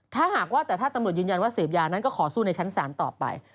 ถ้าหากว่าแต่ถ้าตำรวจยืนยันว่าเสพยานั้นก็ขอสู้ในชั้นศาลต่อไป